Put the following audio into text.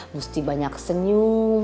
mesti banyak senyum